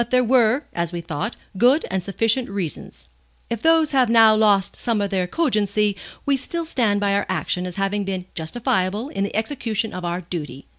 But there were, as we thought, good and sufficient reasons. If those have now lost some of their cogency, we still stand by our action as having been justifiable in the execution of our duty.